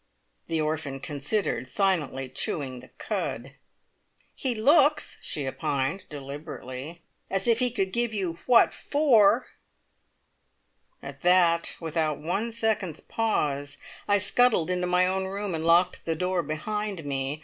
The orphan considered, silently chewing the cud. "He looks," she opined deliberately, "as if he could give you what for!" At that, without one second's pause, I scuttled into my own room and locked the door behind me.